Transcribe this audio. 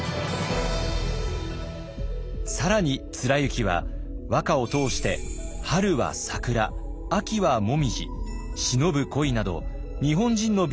更に貫之は和歌を通して「春は桜」「秋は紅葉」「忍ぶ恋」など日本人の美意識を確立します。